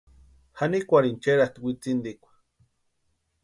Janikwarini cherasti witsintikwa.